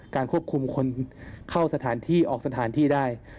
ควบคุมคนเข้าสถานที่ออกสถานที่ได้